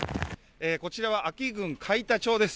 こちらは安芸郡海田町です。